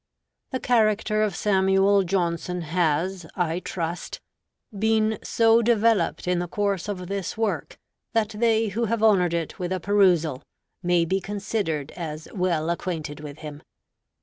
The character of Samuel Johnson has, I trust, been so developed in the course of this work that they who have honored it with a perusal may be considered as well acquainted with him.